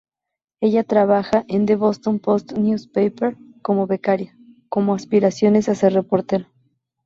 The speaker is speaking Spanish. Ella trabaja en The Boston Post Newspaper, como becaria, con aspiraciones a ser reportera.